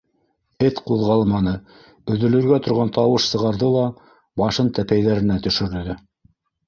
- Эт ҡуҙғалманы, өҙөлөргә торған тауыш сығарҙы ла, башын тәпәйҙәренә төшөрҙө.